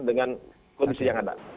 dengan kondisi yang ada